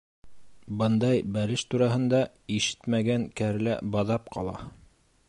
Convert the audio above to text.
Бындай бәлеш тураһына ишетмәгән кәрлә баҙап ҡала.